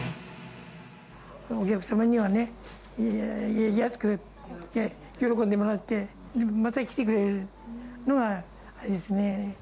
お客様にはね、安くて喜んでもらって、また来てくれるのがいいですね。